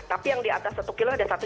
tapi yang di atas satu kilo ada satu